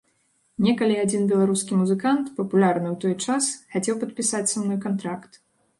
Некалі адзін беларускі музыкант, папулярны ў той час, хацеў падпісаць са мной кантракт.